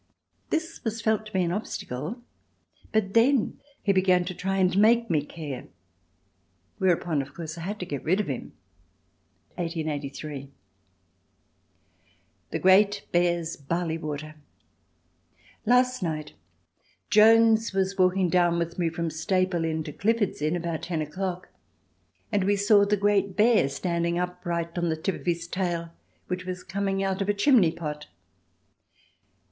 This was felt to be an obstacle; but then he began to try and make me care, whereupon, of course, I had to get rid of him. [1883.] The Great Bear's Barley Water Last night Jones was walking down with me from Staple Inn to Clifford's Inn, about 10 o'clock, and we saw the Great Bear standing upright on the tip of his tail which was coming out of a chimney pot.